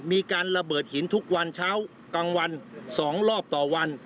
มีการระเบิดหินทุกวันเช้ากลางวัน๒รอบต่อวัน